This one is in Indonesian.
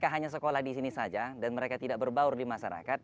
hanya sekolah di sini saja dan mereka tidak berbaur di masyarakat